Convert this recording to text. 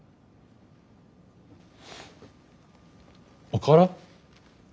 おから？